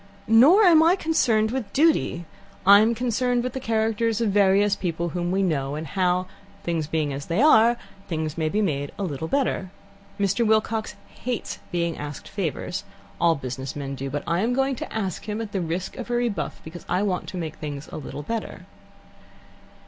"Nor am I concerned with duty. I'm concerned with the characters of various people whom we know, and how, things being as they are, things may be made a little better. Mr. Wilcox hates being asked favours: all business men do. But I am going to ask him, at the risk of a rebuff, because I want to make things a little better."